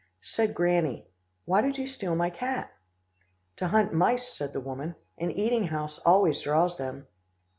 "Said Granny, 'Why did you steal my cat?' "'To hunt mice,' said the woman. 'An eating house always draws them.